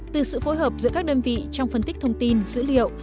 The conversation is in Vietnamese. từ sự phối hợp giữa các đơn vị trong phân tích thông tin dữ liệu